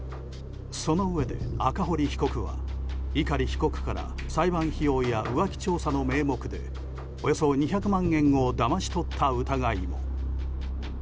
そのうえで赤堀被告は碇被告から裁判費用や浮気調査の名目でおよそ２００万円をだまし取った疑いも。